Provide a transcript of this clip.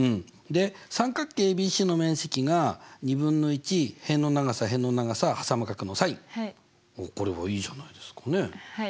で三角形ＡＢＤの面積は２分の１辺の長さ辺の長さｓｉｎ３０°。これもいいじゃないねえ。